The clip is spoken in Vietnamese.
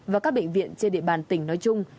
và các bệnh viện trên địa bàn tỉnh nói chung